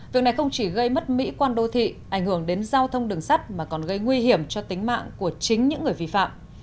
việc này không chỉ gây mất mỹ quan đô thị ảnh hưởng đến giao thông đường sắt mà còn gây nguy hiểm cho tính mạng của chính những người vi phạm